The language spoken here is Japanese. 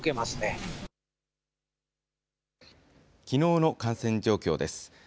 きのうの感染状況です。